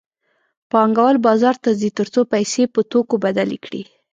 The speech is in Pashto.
پانګوال بازار ته ځي تر څو پیسې په توکو بدلې کړي